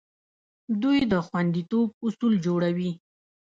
دوی د خوندیتوب اصول جوړوي.